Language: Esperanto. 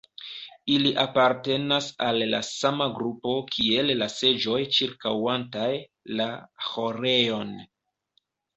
Ili apartenas al la sama grupo kiel la seĝoj ĉirkaŭantaj la ĥorejon.